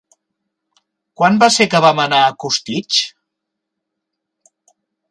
Quan va ser que vam anar a Costitx?